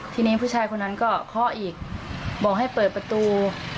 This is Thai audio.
ทีนี้ผู้ชายคนนั้นก็เคาะอีกบอกให้เปิดประตู